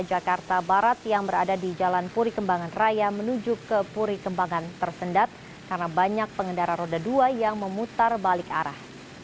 jakarta barat yang berada di jalan puri kembangan raya menuju ke puri kembangan tersendat karena banyak pengendara roda dua yang memutar balik arah